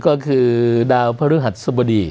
ก็คือดาวพระฤหัสสบดี